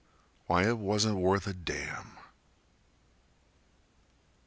Why, it wasn't worth a damn!